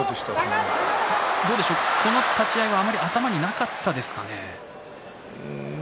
この立ち合いがあまり頭になかったですかね。